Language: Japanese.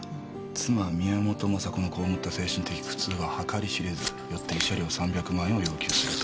妻宮本雅子の蒙った精神的苦痛は計り知れずよって慰謝料三百万円を要求する」と。